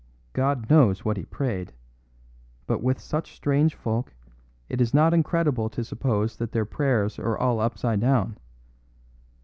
God knows what he prayed; but with such strange folk it is not incredible to suppose that their prayers are all upside down.